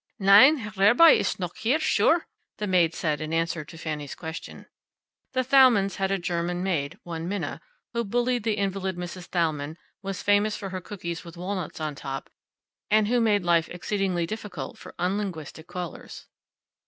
"Nein, der Herr Rabbi ist noch hier sure," the maid said in answer to Fanny's question. The Thalmann's had a German maid one Minna who bullied the invalid Mrs. Thalmann, was famous for her cookies with walnuts on the top, and who made life exceedingly difficult for unlinguistic callers.